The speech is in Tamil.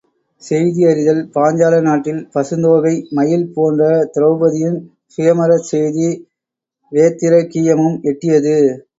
செய்தி அறிதல் பாஞ்சால நாட்டில் பசுந்தோகை மயில் போன்ற திரெளபதியின் சுயம்வரத் செய்தி வேத்திரகீயமும் எட்டியது.